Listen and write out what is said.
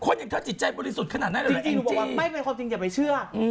คนอย่างเธอจิตใจบริสุทธิ์ขนาดนั้นเหรอแองจี้จริงหนูบอกว่าไม่เป็นความจริงอย่าไปเชื่อ